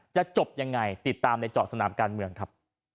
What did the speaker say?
จะจบยังไงติดตามในเจาะสนามการเมืองครับ